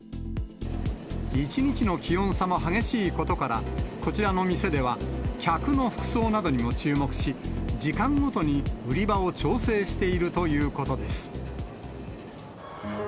一日の気温差も激しいことから、こちらの店では客の服装などにも注目し、時間ごとに売り場を調整しているということです。